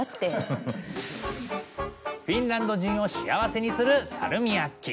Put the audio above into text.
フィンランド人を幸せにするサルミアッキ。